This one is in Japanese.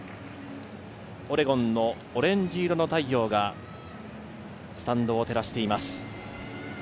オレゴンのオレンジ色の太陽がスタンドを照らしています。